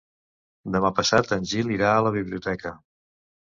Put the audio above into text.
Demà passat en Gil irà a la biblioteca.